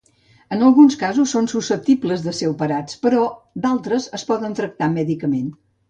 En alguns casos, són susceptibles de ser operats, però d'altres es poden tractar mèdicament.